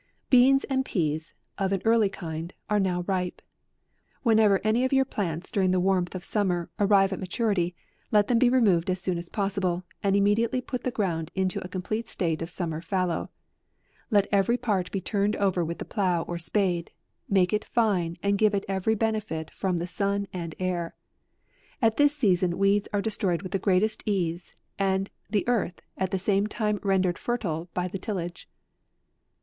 BEANS AND PEAS of an early kind, are now ripe. Whenever any of your plants during the warmth of sum mer, arrive at maturity, let them be removed as soon as possible, and immediately put the ground into a complete state of summer fal 166 AUGUST. low ; let every part be turned over with the plough or spade ; make it fine, and give it every benefit from the sun and air. At this season weeds are destroyed with the great est ease, and the earth at the same time ren dered fertile by the tillage.